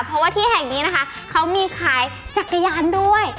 เพราะว่าที่แห่งนี้นะคะเขามีขายจักรยานด้วย